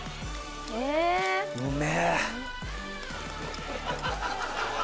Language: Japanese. うめえ。